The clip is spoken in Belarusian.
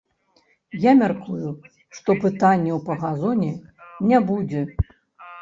Я мяркую, што пытанняў па газоне не будзе.